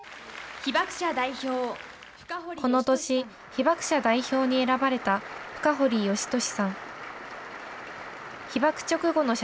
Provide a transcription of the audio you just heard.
この年、被爆者代表に選ばれた、深堀好敏さん。